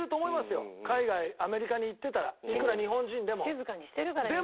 静かにしてるから日本人。